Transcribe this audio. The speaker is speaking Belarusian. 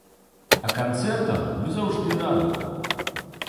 А канцэртам мы заўжды рады!